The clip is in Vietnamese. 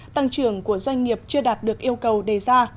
tăng trưởng của doanh nghiệp chưa đạt được yêu cầu đề ra